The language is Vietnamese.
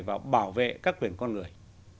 và bảo vệ các quyền con người